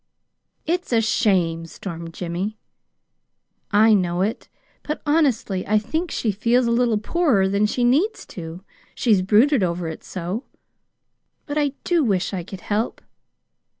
"It's a shame!" stormed Jimmy. "I know it. But, honestly, I think she feels a little poorer than she needs to she's brooded over it so. But I do wish I could help!"